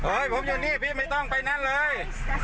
ผมอยู่นี่พี่ไม่ต้องไปนั่นเลย